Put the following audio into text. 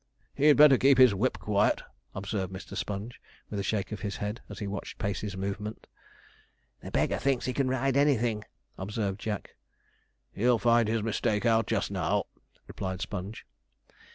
'He'd better keep his whip quiet,' observed Mr. Sponge, with a shake of his head, as he watched Pacey's movements. 'The beggar thinks he can ride anything,' observed Jack. 'He'll find his mistake out just now,' replied Sponge.